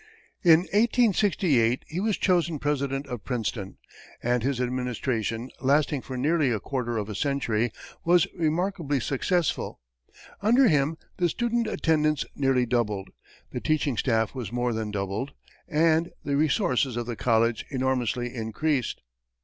In 1868, he was chosen president of Princeton, and his administration, lasting for nearly a quarter of a century, was remarkably successful. Under him, the student attendance nearly doubled, the teaching staff was more than doubled, and the resources of the college enormously increased.